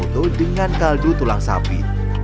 kuah soto dengan kaldu tulang sapi